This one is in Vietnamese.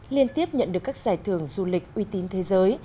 liên tiếp nhận được các giải thưởng du lịch uy tín thế giới